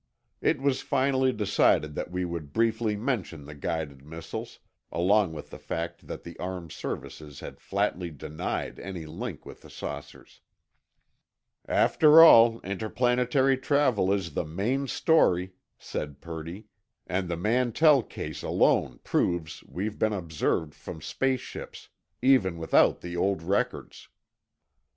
It was finally decided that we would briefly mention the guided missiles, along with the fact that the armed services had flatly denied any link with the saucers. "After all, interplanetary travel is the main story," said Purdy. "And the Mantell case alone proves we've been observed from space ships, even without the old records."